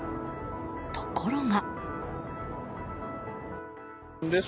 ところが。